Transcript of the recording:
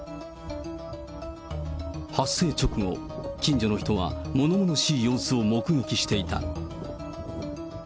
発生直後、近所の人は、ものものしい様子を目撃していた。